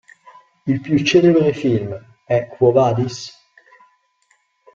Il più celebre film è "Quo vadis?